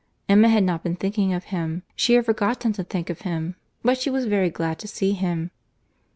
Emma had not been thinking of him, she had forgotten to think of him—but she was very glad to see him.